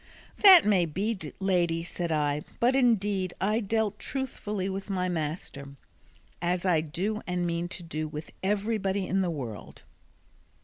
"That may be, lady," said I; "but indeed I dealt truthfully with my master, as I do and mean to do with everybody in the world."